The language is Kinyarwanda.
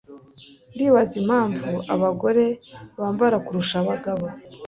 Ndibaza impamvu abagore baramba kurusha abagabo